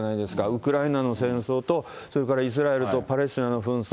ウクライナの戦争と、それからイスラエルとパレスチナの紛争。